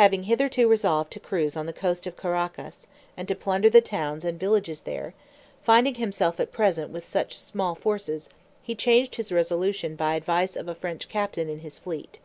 Having hitherto resolved to cruise on the coasts of Caraccas, and to plunder the towns and villages there, finding himself at present with such small forces, he changed his resolution by advice of a French captain in his fleet.